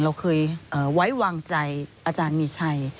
เราเคยไว้วางใจอาจารย์มีชัย